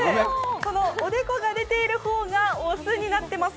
このおでこが出ている方がオスになっています。